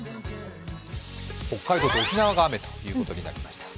北海道と沖縄が雨ということになりました。